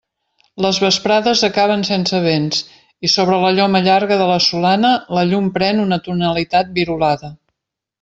Les vesprades acaben sense vents, i sobre la lloma llarga de la Solana la llum pren una tonalitat virolada.